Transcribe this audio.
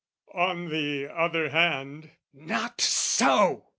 On the other hand "Not so!"